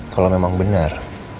kalau memang benar